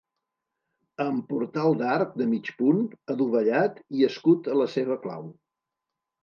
Amb portal d'arc de mig punt adovellat i escut a la seva clau.